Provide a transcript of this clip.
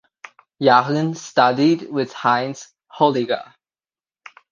Jahren studied with Heinz Holliger.